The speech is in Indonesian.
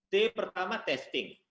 t pertama testing